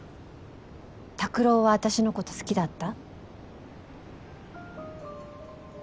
拓郎は私のこと好きだった？